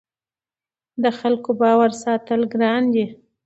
د خلکو باور ساتل ګران دي